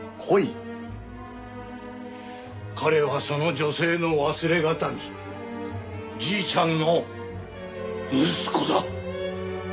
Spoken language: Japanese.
彼はその女性の忘れ形見じいちゃんの息子だ。